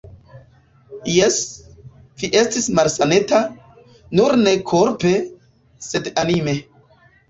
Jes, vi estis malsaneta, nur ne korpe, sed anime.